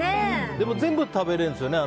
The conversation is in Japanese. でも全部食べれるんですよね。